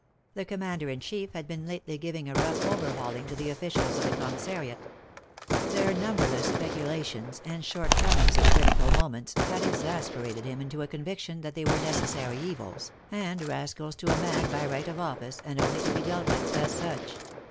The commander in chief had been lately giving a rough overhauling to the officials of the commissariat. Their numberless peculations, and short comings at critical moments, had exasperated him into a convic tion that they were necessary evils, and rascals to a man by right of office, and only to be dealt with as such.